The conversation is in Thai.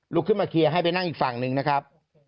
ขึ้นมาเคลียร์ให้ไปนั่งอีกฝั่งหนึ่งนะครับ